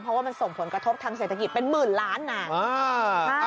เพราะว่ามันส่งผลกระทบทางเศรษฐกิจเป็นหมื่นล้านนะ